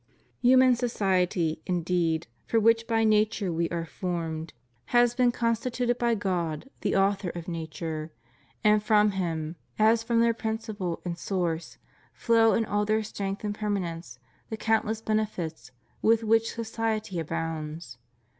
Human society, indeed, for which by nature we are formed, has been constituted »8 FREEMASONRY. by God the Author of nature; and from Him, as from their principle and source, flow in all their strength and permanence the countless benefits with which society abounds.